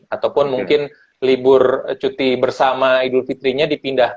ataupun mungkin libur cuti bersama idul fitrinya dipindah